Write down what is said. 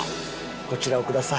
こちらをください。